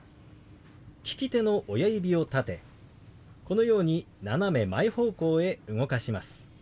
利き手の親指を立てこのように斜め前方向へ動かします。